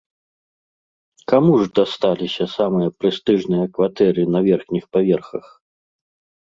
Каму ж дасталіся самыя прэстыжныя кватэры на верхніх паверхах?